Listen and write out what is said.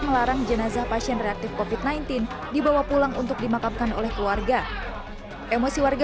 melarang jenazah pasien reaktif kofit sembilan belas dibawa pulang untuk dimakamkan oleh keluarga emosi warga